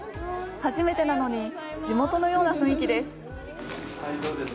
初めてなのに地元のような雰囲気です。